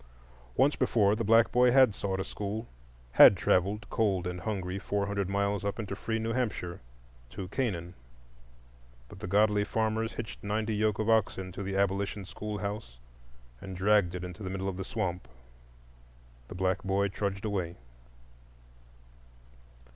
Once before, the black boy had sought a school, had travelled, cold and hungry, four hundred miles up into free New Hampshire, to Canaan. But the godly farmers hitched ninety yoke of oxen to the abolition schoolhouse and dragged it into the middle of the swamp. The black boy trudged away.